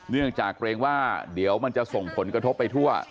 เนื่องจากเกรงว่าเดี๋ยวมันจะส่งผลกระทบไปทั่ว